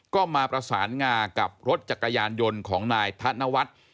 ก็มาประสานงากับรถจักรยานยนต์ของนายธนวัฒน์